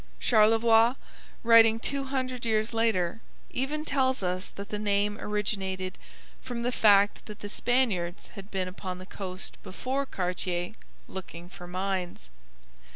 Charlevoix, writing two hundred years later, even tells us that the name originated from the fact that the Spaniards had been upon the coast before Cartier, looking for mines.